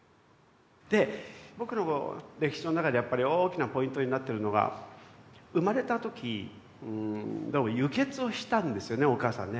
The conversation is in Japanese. で僕の歴史の中でやっぱり大きなポイントになってるのが生まれた時どうも輸血をしたんですよねお母さんね。